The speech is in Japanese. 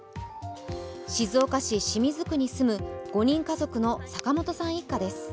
静岡市清水区に住む５人家族の坂本さん一家です。